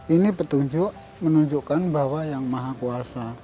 ini petunjuk menunjukkan bahwa yang maha kuasa